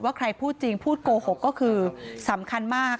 ใครพูดจริงพูดโกหกก็คือสำคัญมาก